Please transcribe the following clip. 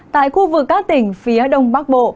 tại khu vực các tỉnh phía đông bắc bộ